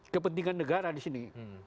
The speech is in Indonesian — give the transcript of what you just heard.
kepentingan negara disini